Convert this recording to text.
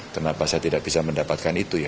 kenapa saya tidak bisa mendapatkan itu ya